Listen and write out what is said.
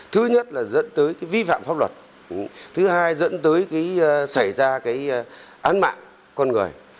thứ nhất là dẫn tới vi phạm pháp luật thứ hai dẫn tới xảy ra án mạng con người